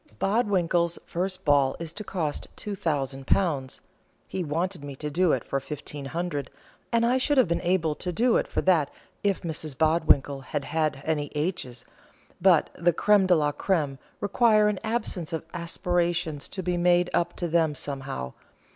Bodwinkles' first ball is to cost £2000. He wanted me to do it for £1500, and I should have been able to do it for that if Mrs Bodwinkle had had any h's; but the crême, de la crême require an absence of aspirations to be made up to them somehow.